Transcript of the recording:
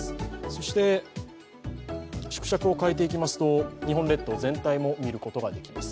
そして、縮尺を変えていきますと日本列島全体も見ることができます。